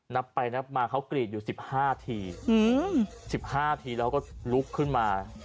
นับไปนับมาเขากรีดอยู่สิบห้าทีหือสิบห้าทีแล้วก็ลุกขึ้นมา